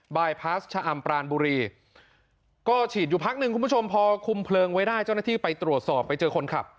บายพาสชะอำปรานบุรีก็ฉีดอยู่พักหนึ่งคุณผู้ชมพอคุมเพลิงไว้ได้เจ้าหน้าที่ไปตรวจสอบไปเจอคนขับ